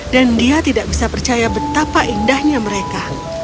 dan dia tidak bisa percaya betapa indahnya mereka